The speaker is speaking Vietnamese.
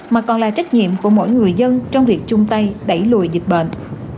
mà còn là trách nhiệm của mỗi người dân trong việc chung tay đẩy lùi dịch bệnh